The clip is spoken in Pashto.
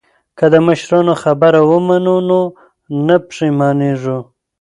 که د مشرانو خبره ومنو نو نه پښیمانیږو.